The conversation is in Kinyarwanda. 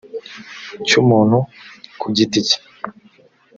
cy umuntu ku giti cye